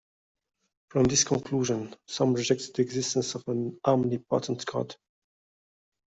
From this conclusion, some reject the existence of an omnipotent God.